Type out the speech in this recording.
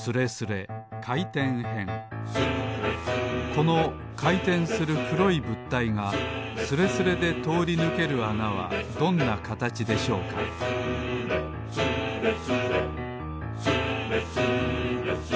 このかいてんするくろいぶったいがスレスレでとおりぬけるあなはどんなかたちでしょうか「スレスレ」「スレスレスーレスレ」